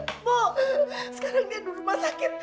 ibu sekarang dia di rumah sakit